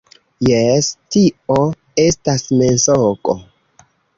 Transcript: Jes, - Tio estas mensogo.